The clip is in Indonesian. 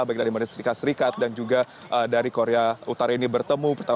baik dari amerika serikat dan juga dari korea utara ini bertemu